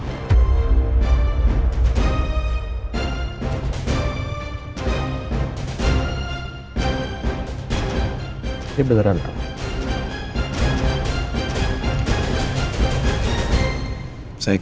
tapi belum tentu benar benar baik